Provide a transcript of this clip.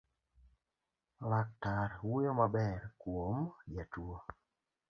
Laktar wuoyo maber kuom jatuo